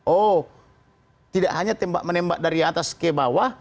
oh tidak hanya tembak menembak dari atas ke bawah